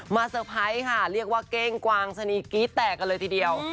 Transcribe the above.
เซอร์ไพรส์ค่ะเรียกว่าเก้งกวางสนีกรี๊ดแตกกันเลยทีเดียว